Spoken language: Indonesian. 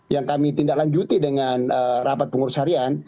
yang kami tindak lanjuti dengan rapat pengurus harian